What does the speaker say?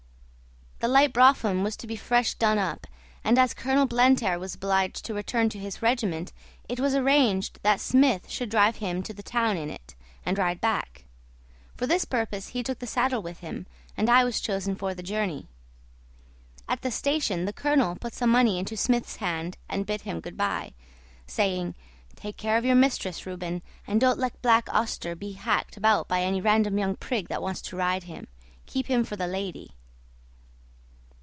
The light brougham was to be fresh done up, and as Colonel Blantyre was obliged to return to his regiment it was arranged that Smith should drive him to the town in it, and ride back; for this purpose he took the saddle with him, and I was chosen for the journey. At the station the colonel put some money into Smith's hand and bid him good by, saying, "Take care of your young mistress, Reuben, and don't let Black Auster be hacked about by any random young prig that wants to ride him keep him for the lady."